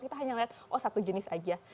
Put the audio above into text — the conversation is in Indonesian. kita hanya melihat satu jenis saja